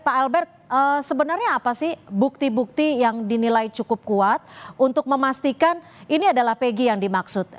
pak albert sebenarnya apa sih bukti bukti yang dinilai cukup kuat untuk memastikan ini adalah pegi yang dimaksud